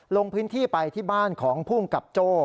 ลงพื้นที่ไปที่บ้านของภูมิกับโจ้